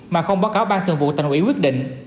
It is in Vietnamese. mà không báo cáo ban thường vụ thành ủy quyết định